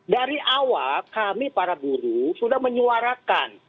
dari awal kami para guru sudah menyuarakan